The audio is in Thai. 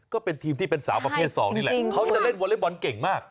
ก็เป็นทีมที่เป็นสาวประเภท๒นี่แหละเขาจะเล่นวอเล็กบอลเก่งมาก